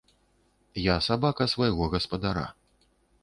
Я сабака свайго гаспадара.